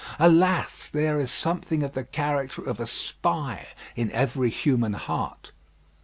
Alas! there is something of the character of a spy in every human heart.